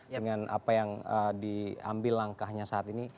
dengan apa yang diambil langkahnya saat ini